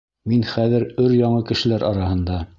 Мин хәҙер өр-яңы кешеләр араһында.